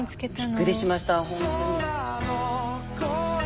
びっくりしました本当に。